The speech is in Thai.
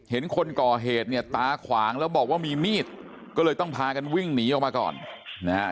เห็นคนก่อเหตุเนี่ยตาขวางแล้วบอกว่ามีมีดก็เลยต้องพากันวิ่งหนีออกมาก่อนนะฮะ